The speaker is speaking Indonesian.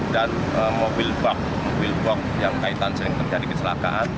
dan mobil buak mobil buak yang kaitan sering terjadi keselakaan